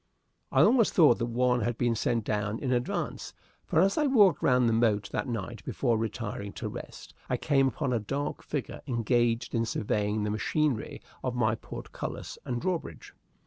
I almost thought that one had been sent down in advance, for, as I walked round the moat that night before retiring to rest, I came upon a dark figure engaged in surveying the machinery of my portcullis and drawbridge.